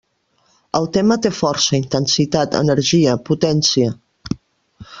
El tema té força, intensitat, energia, potència.